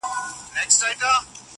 ساقي وتاته مو په ټول وجود سلام دی پيره.